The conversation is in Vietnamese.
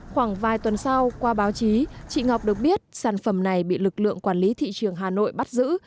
khoảng vài tuần sau qua báo chí chị ngọc được biết sản phẩm này bị lực lượng quản lý thị trường hà nội bắt giữ